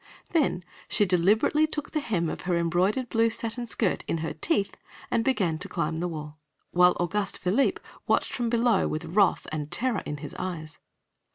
Then she deliberately took the hem of her embroidered blue satin skirt in her teeth and began to climb the wall, while Auguste Philippe watched from below with wrath and terror in his eyes.